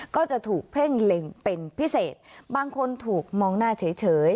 ก็จะถูกเพ่งเล็งเป็นพิเศษบางคนถูกมองหน้าเฉย